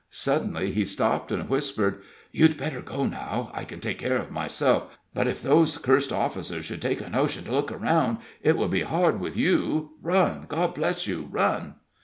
Suddenly he stopped and whispered: "You'd better go now. I can take care of myself, but if those cursed officers should take a notion to look around, it would go hard with you. Run, God bless you, run!"